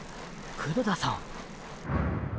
黒田さん。